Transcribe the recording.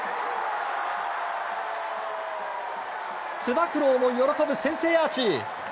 つば九郎も喜ぶ先制アーチ！